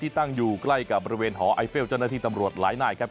ตั้งอยู่ใกล้กับบริเวณหอไอเฟลเจ้าหน้าที่ตำรวจหลายนายครับ